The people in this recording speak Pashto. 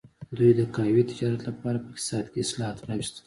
دوی د قهوې تجارت لپاره په اقتصاد کې اصلاحات راوستل.